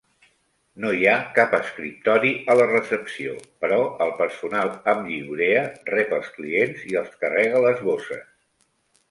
No hi ha cap escriptori a la recepció, però el personal amb lliurea rep els clients i els carrega les bosses.